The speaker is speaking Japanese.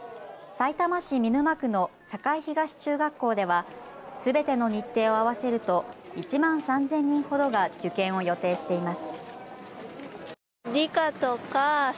さいたま市見沼区の栄東中学校ではすべての日程を合わせると１万３０００人ほどが受験を予定しています。